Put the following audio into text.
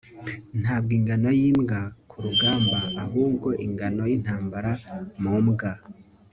Ntabwo ingano yimbwa kurugamba ahubwo ingano yintambara mu mbwa